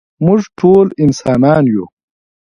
مونږ ټول انسانان يو.